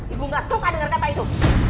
ibu gak suka denger kata itu